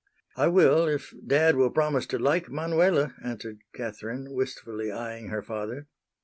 "I will if dad will promise to like Manuela," answered Catherine, wistfully eying her father.